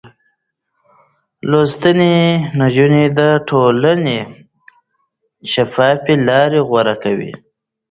لوستې نجونې د ټولنې شفافې لارې غوره کوي.